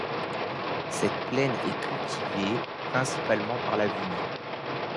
Cette plaine est cultivée, principalement par la vigne.